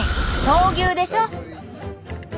闘牛でしょ。